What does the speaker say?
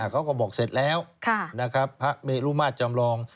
เขาก็บอกเสร็จแล้วพระเมรุมาตรจำลอง